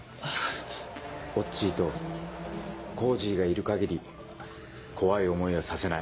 おっちーとコージーがいる限り怖い思いはさせない。